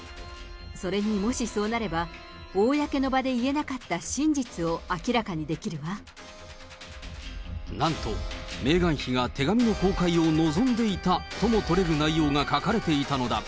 それに、もしそうなれば、公の場で言えなかった真実を明らかにでなんと、メーガン妃が手紙の公開を望んでいたともとれる内容が書かれていたのだ。